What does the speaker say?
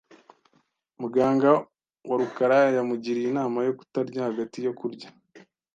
Muganga wa rukarayamugiriye inama yo kutarya hagati yo kurya.